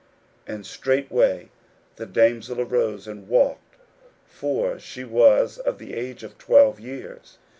41:005:042 And straightway the damsel arose, and walked; for she was of the age of twelve years.